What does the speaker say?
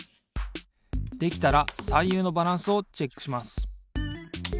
できたらさゆうのバランスをチェックします。